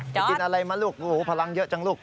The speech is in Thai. จอร์สมากินอะไรมาลูกพลังเยอะจังลูก